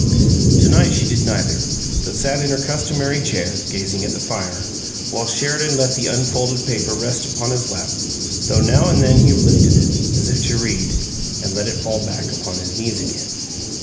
To night she did neither, but sat in her customary chair, gazing at the fire, while Sheridan let the unfolded paper rest upon his lap, though now and then he lifted it, as if to read, and let it fall back upon his knees again.